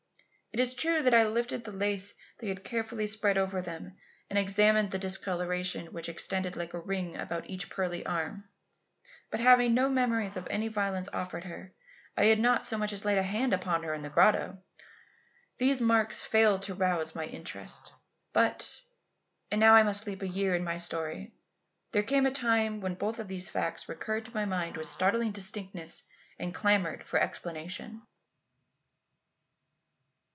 It is true that I lifted the lace they had carefully spread over them and examined the discoloration which extended like a ring about each pearly arm; but having no memories of any violence offered her (I had not so much as laid hand upon her in the grotto), these marks failed to rouse my interest. But and now I must leap a year in my story there came a time when both of these facts recurred to my mind with startling distinctness and clamoured for explanation.